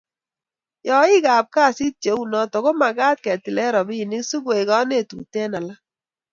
yaik ap kasit cheu noo komakat ketile ropinik sikoek kanetutiet eng alak